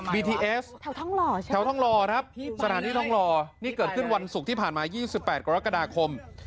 ทีเอสแถวท่องหล่อใช่ไหมแถวท่องหล่อครับสถานที่ท่องหล่อนี่เกิดขึ้นวันศุกร์ที่ผ่านมา๒๘กรกฎาคม